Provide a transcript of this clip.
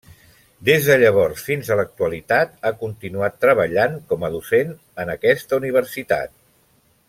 Des de llavors fins a l'actualitat ha continuat treballant com a docent en aquesta universitat.